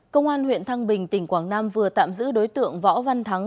công an huyện thăng bình tỉnh quảng nam vừa tạm giữ đối tượng võ văn thắng